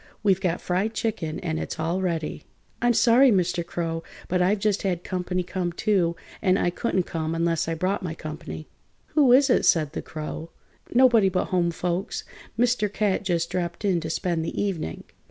We've got fried chicken and it's all ready." "I'm sorry, Mr. Crow, but I've just had comp'ny come, too, and I couldn't come unless I brought my comp'ny." "Who is it?" said the Crow. "Nobody but home folks. Mr. Cat just dropped in to spend the evening."